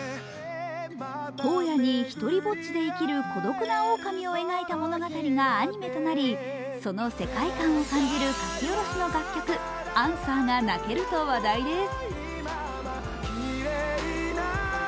荒野に独りぼっちで生きる孤独なオオカミを描いた物語がアニメとなりその世界観を感じる書き下ろしの楽曲、「アンサー」が泣けると話題です。